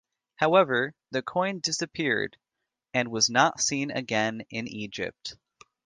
However, the coin disappeared and was not seen again in Egypt.